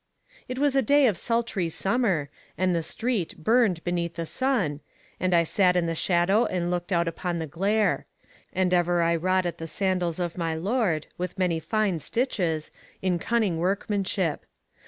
"'It was a day of sultry summer, and the street burned beneath the sun, and I sat in the shadow and looked out upon the glare; and ever I wrought at the sandals of my lord, with many fine stitches, in cunning workmanship.